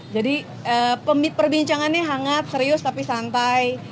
jadi perbincangannya hangat serius tapi santai